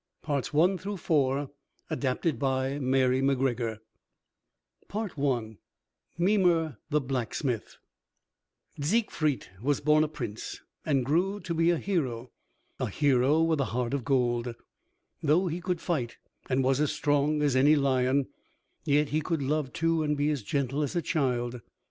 HERO OF GERMANY SIEGFRIED ADAPTED BY MARY MACGREGOR I MIMER THE BLACKSMITH Siegfried was born a prince and grew to be a hero, a hero with a heart of gold. Though he could fight, and was as strong as any lion, yet he could love too and be as gentle as a child.